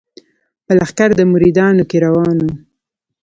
په لښکر د مریدانو کي روان وو